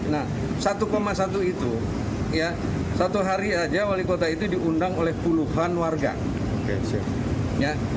nah satu satu itu ya satu hari saja wali kota itu diundang oleh puluhan warga